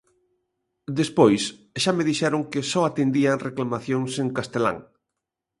Despois xa me dixeron que só atendían reclamacións en castelán.